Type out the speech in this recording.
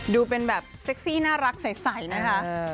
ดูเป็นแบบเซ็กซี่น่ารักใสนะคะ